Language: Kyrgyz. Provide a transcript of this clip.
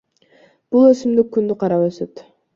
Бул өсүмдүк күндү карап өсөт.